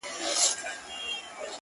• ستا پۀ وادۀ كې جېنكو بېګاه چمبه وهله..